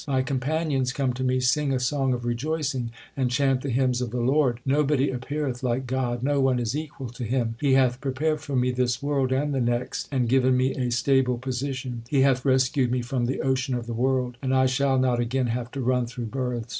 My companions, come to me, sing a song of rejoicing, and chant the hymns of the Lord. Nobody appeareth like God ; no one is equal to Him. SIKH, III K 130 THE SIKH RELIGION He hath prepared for me this world and the next, and given me a stable position. He hath rescued me from the ocean of the world, and I shall not again have to run through births.